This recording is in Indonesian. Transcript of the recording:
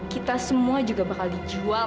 kita semua juga bakal dijual